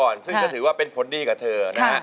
ซึ่งจะถือว่าเป็นพรดีกับเธอนะ